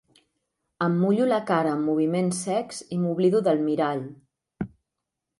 Em mullo la cara amb moviments secs i m'oblido del mirall.